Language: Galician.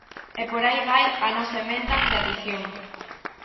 E por aí vai a nosa emenda de adición.